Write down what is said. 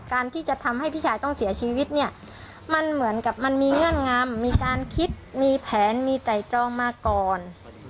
การที่จะทำให้พี่ชายต้องเสียชีวิตเนี่ยมันเหมือนกับมันมีเงื่อนงำมีการคิดมีแผนมีไต่ตรองมาก่อน